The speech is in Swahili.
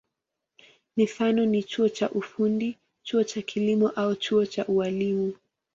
Mifano ni chuo cha ufundi, chuo cha kilimo au chuo cha ualimu.